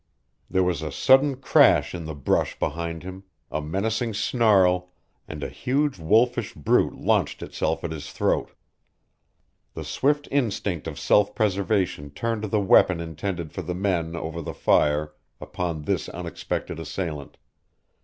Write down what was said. There was a sudden crash in the brush behind him, a menacing snarl, and a huge wolfish brute launched itself at his throat. The swift instinct of self preservation turned the weapon intended for the men over the fire upon this unexpected assailant.